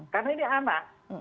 karena ini anak